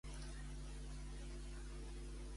Què es preveu que ocorri dintre de poc?